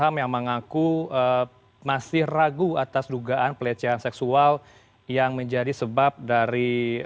dan juga tim dari komnas ham yang mengaku masih ragu atas dugaan pelecehan seksual yang menjadi sebab dari tewasnya brigadir yosua